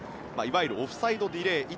いわゆるオフサイドディレイ。